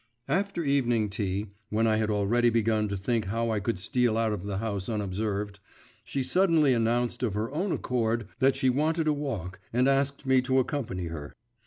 … After evening tea, when I had already begun to think how I could steal out of the house unobserved, she suddenly announced of her own accord that she wanted a walk, and asked me to accompany her.